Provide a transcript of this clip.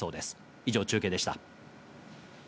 以上、中継でした。